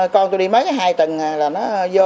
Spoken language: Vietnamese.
con tôi đi mấy cái hai tầng là nó vô